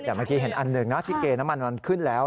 แต่เมื่อกี้เห็นอันหนึ่งนะที่เกน้ำมันมันขึ้นแล้ว